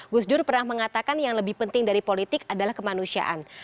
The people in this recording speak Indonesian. gus dur pernah mengatakan yang lebih penting dari politik adalah kemanusiaan